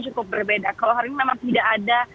cukup berbeda kalau hari ini memang tidak ada